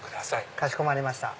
かしこまりました。